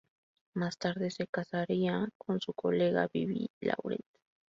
Más tarde se casaría con su colega Vivi Laurent.